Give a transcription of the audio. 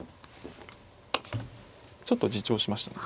ちょっと自重しましたね。